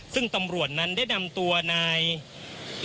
ซึ่งตำรวจนั้นได้นำตัวนายยาวไปคุมขัง